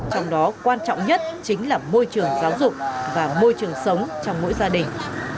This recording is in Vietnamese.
trong đó quan trọng nhất chính là môi trường giáo dục và môi trường sống trong mỗi gia đình